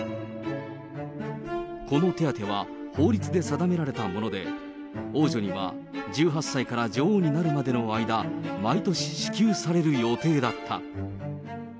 この手当は法律で定められたもので、王女には、１８歳から女王になるまでの間、毎年支給される予定だった。